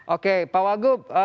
oke pak wagub